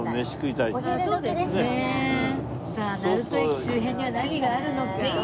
成東駅周辺には何があるのか？